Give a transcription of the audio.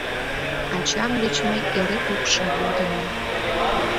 Ачам деч мый эре упшым йодынам: